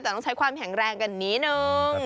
แต่ต้องใช้ความแข็งแรงกันนิดนึง